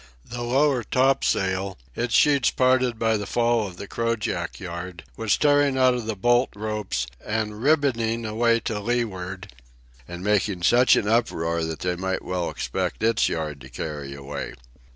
The lower topsail, its sheets parted by the fall of the crojack yard, was tearing out of the bolt ropes and ribboning away to leeward and making such an uproar that they might well expect its yard to carry away.